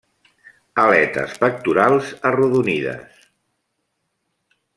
Aletes pectorals arrodonides.